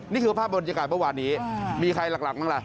นี่คือภาพบรรยากาศเมื่อวานนี้มีใครหลักบ้างล่ะ